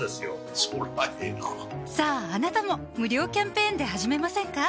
そりゃええなさぁあなたも無料キャンペーンで始めませんか？